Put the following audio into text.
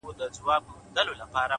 o دا هم له تا جار دی؛ اې وطنه زوروره؛